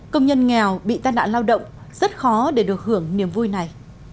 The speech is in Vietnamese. công nhân nghèo bị tai nạn lao động rất khó để được hưởng niềm vui này